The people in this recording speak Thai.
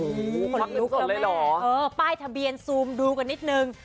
โอ้โหคนลุกแล้วแม่ป้ายทะเบียนซูมดูกันนิดนึง